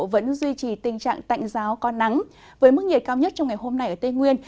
vẫn duy trì tình trạng tạnh giáo có nắng với mức nhiệt cao nhất trong ngày hôm nay ở tây nguyên